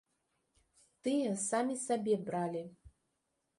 Тыя самі сабе бралі.